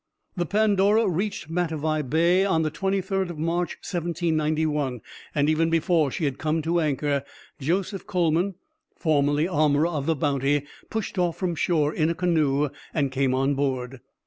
The Pandora reached Matavai Bay on the 23d of March, 1791; and even before she had come to anchor, Joseph Coleman, formerly armorer of the Bounty, pushed off from shore in a canoe, and came on board.